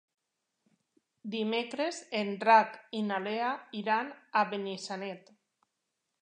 Dimecres en Drac i na Lea iran a Benissanet.